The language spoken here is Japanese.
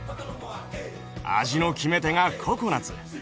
味の決め手がココナツ。